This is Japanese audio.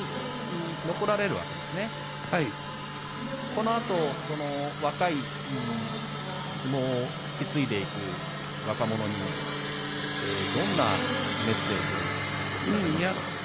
このあと相撲を引き継いでいく若者にどんなメッセージを送られますか。